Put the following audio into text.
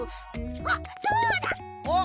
あっそうだ！おっ！